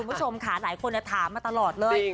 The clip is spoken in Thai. คุณผู้ชมค่ะหลายคนถามมาตลอดเลย